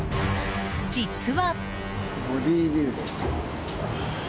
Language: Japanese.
実は。